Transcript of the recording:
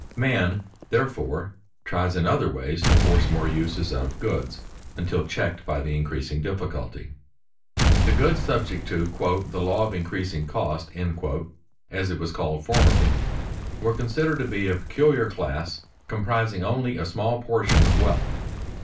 Man therefore tries in other ways to force more uses out of goods, until checked by the increasing difficulty. The goods subject to "the law of increasing cost," as it was called formerly, were considered to be a peculiar class comprising only a small portion of wealth.